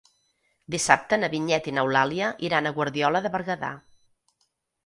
Dissabte na Vinyet i n'Eulàlia iran a Guardiola de Berguedà.